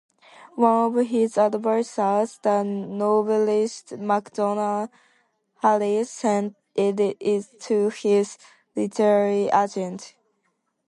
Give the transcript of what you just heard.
One of his advisors, the novelist MacDonald Harris, sent it to his literary agent.